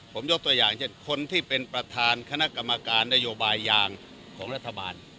ผมยกตัวอย่างเช่นคนที่เป็นประธานคณะกรรมการนโยบายยางของรัฐบาล